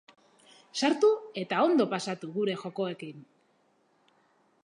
Sartu eta ondo pasatu gure jokoekin!